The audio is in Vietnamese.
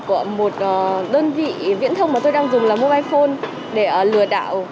của một đơn vị viễn thông mà tôi đang dùng là mobile phone để lừa đảo